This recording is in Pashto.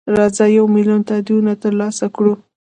راځه یو میلیون تاییدونه ترلاسه کړو.